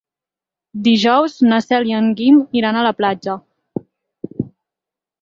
Dijous na Cel i en Guim iran a la platja.